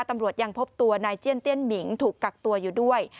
ตำรวจยังพบตัวนายเจียนเตี้ยนหมิงถูกกักตัวอยู่ด้วย